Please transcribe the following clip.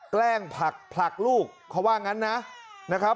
แกล้งผักผลักลูกเขาว่างั้นนะครับ